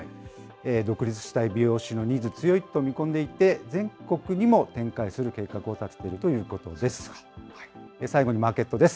独立したい美容師のニーズ、強いと見込んでいて、全国にも展開する計画を立てているということです。